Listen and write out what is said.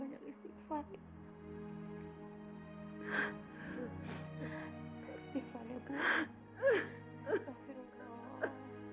tidak tuhan akan menanggung ibu dengan cara seperti ini